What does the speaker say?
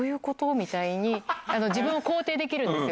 みたいに自分を肯定できるんですよ。